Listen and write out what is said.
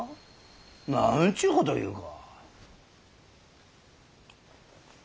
なんちゅうことを言うか。